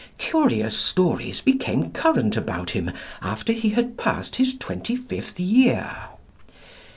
Curious stories became current about him after he had passed his twenty fifth year.